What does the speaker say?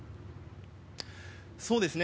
そうですね。